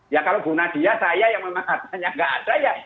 ya kalau bu nadia saya yang memang hartanya nggak ada ya